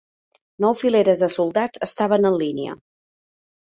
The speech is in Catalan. Nou fileres de soldats estaven en línia.